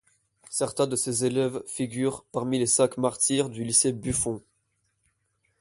Certains de ses élèves figurent parmi les cinq martyrs du lycée Buffon.